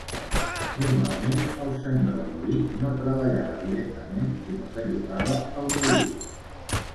Normalment, el senyor de molí no treballava directament, sinó que llogava el molí.